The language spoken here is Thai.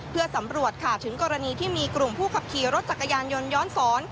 เพื่อสำรวจค่ะถึงกรณีที่มีกลุ่มผู้ขับขี่รถจักรยานยนต์ย้อนสอน